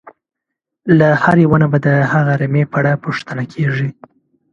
له هر یوه نه به د هغه رمې په اړه پوښتنه کېږي.